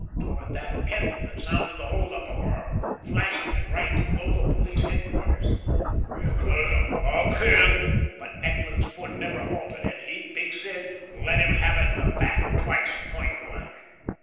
Toward that pedal that sounded the hold up alarm, flashing it right to local police headquarters. "Eckland, I'll kill " But Eckland's foot never halted. And he, Big Sid, let him have it in the back. Twice point blank.